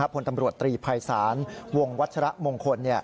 ผลตำรวจตรีภัยศาลวงวัชระมงคล